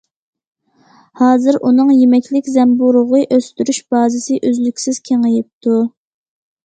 ھازىر ئۇنىڭ يېمەكلىك زەمبۇرۇغى ئۆستۈرۈش بازىسى ئۈزلۈكسىز كېڭىيىپتۇ.